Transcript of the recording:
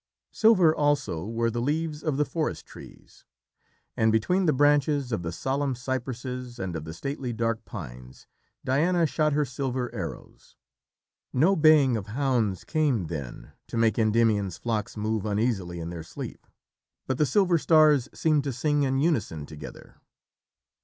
Silver also were the leaves of the forest trees, and between the branches of the solemn cypresses and of the stately dark pines, Diana shot her silver arrows. No baying of hounds came then to make Endymion's flocks move uneasily in their sleep, but the silver stars seemed to sing in unison together.